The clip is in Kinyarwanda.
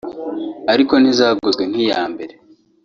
ariko ntizaguzwe nk’iya mbere